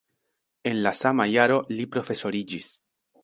En la sama jaro li profesoriĝis.